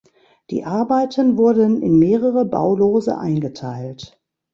Die Arbeiten wurden in mehrere Baulose eingeteilt.